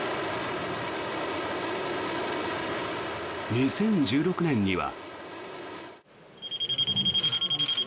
２０１６年には。